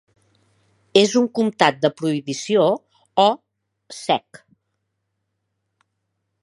És un comtat de prohibició, o "sec".